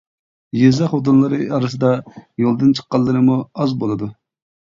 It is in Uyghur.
يېزا خوتۇنلىرى ئارىسىدا يولدىن چىققانلىرىمۇ ئاز بولىدۇ.